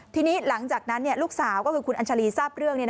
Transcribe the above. ทีนี้หลังจากนั้นลูกสาวก็คือคุณอัญชาลีทราบเรื่อง